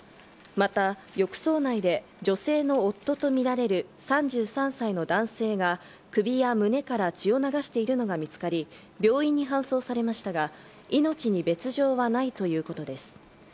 また浴槽内で女性の夫とみられる３３歳の男性が首や胸から血を流しているのが見つかり、病院に搬送されましたが命に別条はないということです。